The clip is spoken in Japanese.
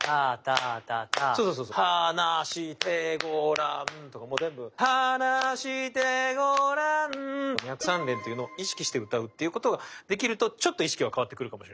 「はなしてごらん」とかも全部はなしてごらん２拍３連っていうのを意識して歌うっていうことができるとちょっと意識が変わってくるかもしれない。